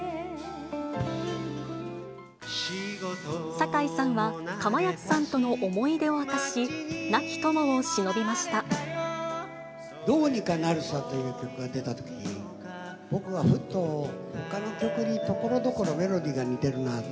堺さんは、かまやつさんとの思い出を明かし、亡き友をしのびましどうにかなるさという曲が出たときに、僕はふっと、ほかの曲にところどころメロディーが似てるなと。